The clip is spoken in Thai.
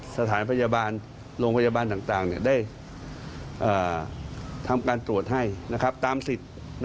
สถานพยาบาลโรงพยาบาลต่างได้ทำการตรวจให้ตามสิทธิ์